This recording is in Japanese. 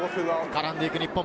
絡んでいく日本。